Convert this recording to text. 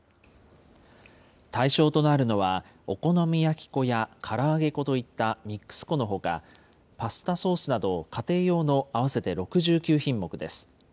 対象となるのは、お好み焼き粉やから揚げ粉といったミックス粉のほか、パスタソースなど家庭用の合わせて６９品目です。